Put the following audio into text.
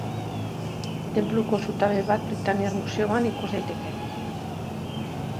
Tenpluko zutabe bat Britaniar museoan ikus daiteke.